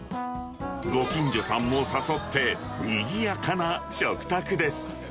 ご近所さんも誘って、にぎやかな食卓です。